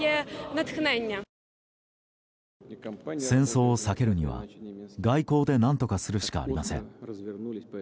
戦争を避けるには、外交で何とかするしかありません。